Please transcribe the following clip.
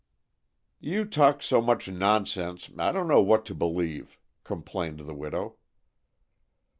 "You talk so much nonsense, I don't know what to believe," complained the widow.